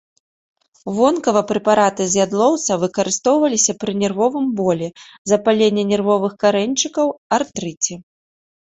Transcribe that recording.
Вонкава прэпараты з ядлоўца выкарыстоўваліся пры нервовым болі, запаленні нервовых карэньчыкаў, артрыце.